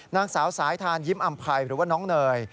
นางสาวสายทานยิ้มอำภัยหรือว่าน้องเนย